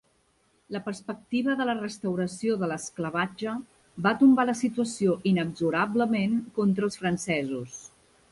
La perspectiva de la restauració de l'esclavatge va tombar la situació inexorablement contra els francesos.